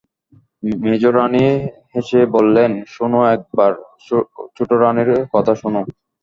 মেজোরানী হেসে বললেন, শোনো একবার, ছোটোরানীর কথা শোনো।